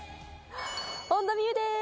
本田望結です！